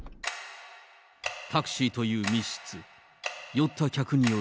タクシーという密室。